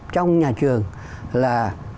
trong nhà trường là